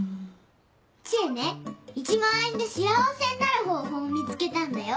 知恵ね１万円で幸せになる方法見つけたんだよ。